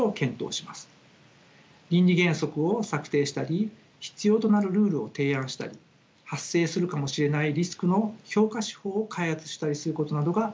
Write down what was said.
倫理原則を策定したり必要となるルールを提案したり発生するかもしれないリスクの評価手法を開発したりすることなどが挙げられます。